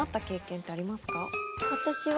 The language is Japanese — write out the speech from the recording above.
私は。